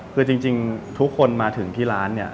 คือจริงทุกคนมาถึงที่ร้านเนี่ย